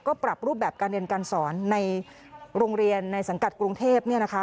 ก็ปรับรูปแบบการเรียนการสอนในโรงเรียนในสังกัดกรุงเทพเนี่ยนะคะ